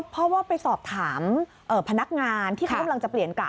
เพราะว่าไปสอบถามพนักงานที่เขากำลังจะเปลี่ยนกะ